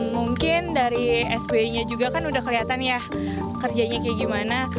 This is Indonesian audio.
mungkin dari sby nya juga kan udah kelihatan ya kerjanya kayak gimana